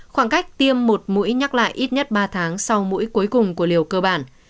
khoảng cách tiêm một mũi nhắc lại ít nhất ba tháng sau mũi cuối cùng của liều cơ bản